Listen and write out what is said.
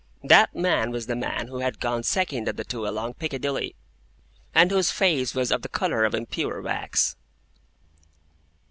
That man was the man who had gone second of the two along Piccadilly, and whose face was of the colour of impure wax.